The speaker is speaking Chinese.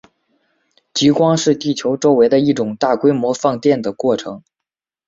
极光是地球周围的一种大规模放电的过程。